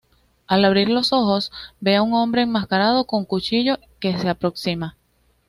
Al abrir los ojos, ve a un hombre enmascarado con cuchillo que se aproxima.